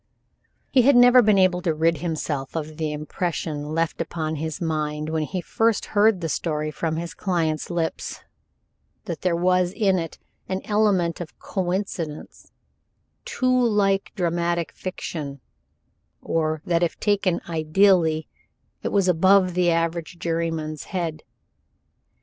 He had never been able to rid himself of the impression left upon his mind when first he heard the story from his client's lips, that there was in it an element of coincidence too like dramatic fiction, or that if taken ideally, it was above the average juryman's head.